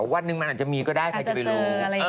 วันหนึ่งมันอาจจะมีก็ได้ใครจะไปรู้